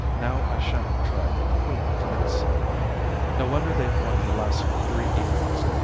Now I shan't try the queen finesse." No wonder they've won the last three evenings!